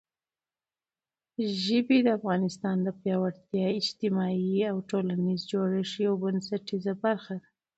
ژبې د افغانستان د پیاوړي اجتماعي او ټولنیز جوړښت یوه بنسټیزه برخه ده.